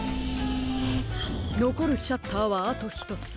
のこるシャッターはあとひとつ。